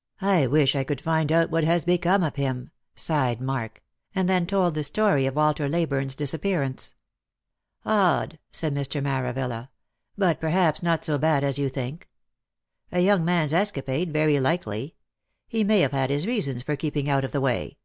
" I wish I could find out what has become of him," sighed Mark ; and then told the story of Walter Leyburne's disappear ance. " Odd," said Mr. Maravilla, " but perhaps not so bad as you think. A young man's escapade, very likely. He may have had his reasons for keeping out of the way."